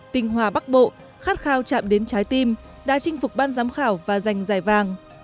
tinh hoa bắc bộ khát khao chạm đến trái tim đã chinh phục ban giám khảo và giành giải vàng